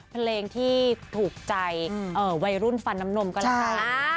เพลงที่ถูกใจวัยรุ่นฟันน้ำนมกละไทย